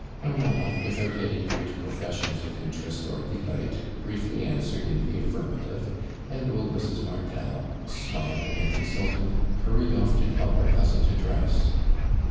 Armand, wirhout any great professions of interest or delight, briefly answered in the affirmative, and old Mrs. Martel, smiling and exultant, hurried off to tell her cousin to dress.